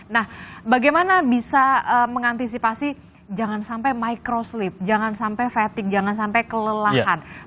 nah bagaimana bisa mengantisipasi jangan sampai microslip jangan sampai fatigue jangan sampai kelelahan